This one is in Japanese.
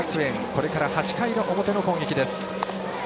これから８回の表の攻撃です。